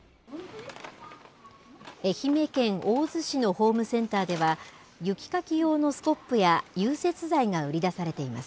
愛媛県大洲市のホームセンターでは、雪かき用のスコップや融雪剤が売り出されています。